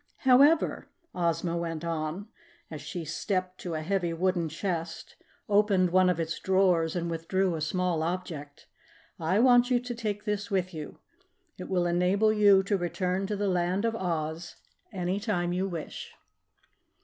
"However," Ozma went on, as she stepped to a heavy wooden chest, opened one of its drawers, and withdrew a small object, "I want you to take this with you. It will enable you to return to the Land of Oz anytime you wish."